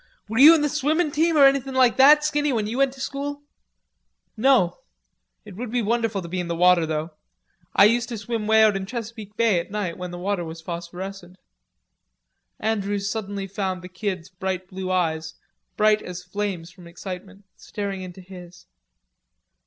"Were you in the swimmin' team or anything like that, Skinny, when you went to school?" "No.... It would be wonderful to be in the water, though. I used to swim way out in Chesapeake Bay at night when the water was phosphorescent." Andrews suddenly found the Kid's blue eyes, bright as flames from excitement, staring into his.